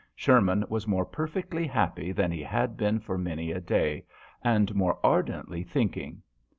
Sherman was more perfectly happy than he had been for many a day, and more ar dently thinking.